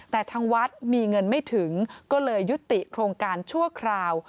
แต่ทางวัดมีเงินไม่ถึงก็เลยยุติโครงการชั่วคราว